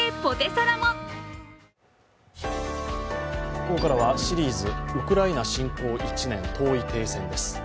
ここからはシリーズ「ウクライナ侵攻１年遠い停戦」です。